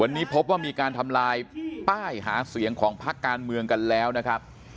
วันนี้พบว่ามีการทำลายป้ายหาเสียงของพักการเมืองกันแล้วนะครับ